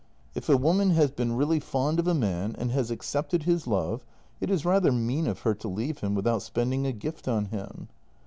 If a woman has been really fond of a man and has accepted his love, it is rather mean of her to leave him without spending a gift on him.